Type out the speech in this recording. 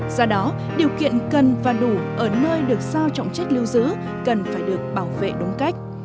do đó điều kiện cần và đủ ở nơi được sao trọng trách lưu giữ cần phải được bảo vệ đúng cách